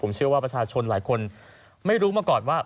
เชื่อว่าประชาชนหลายคนไม่รู้มาก่อนว่า